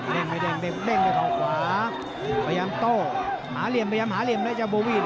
เด้งไปเด้งเด้งเด้งไปเข้าขวาพยายามโตหาเหลี่ยมพยายามหาเหลี่ยมได้เจ้าโบวิน